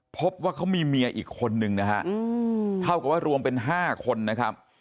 พบว่าเขามีเมียอีกคนนึงนะฮะเท่ากับว่ารวมเป็น๕คนนะครับ